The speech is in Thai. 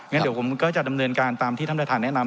งั้นเดี๋ยวผมก็จะดำเนินการตามที่ท่านประธานแนะนำ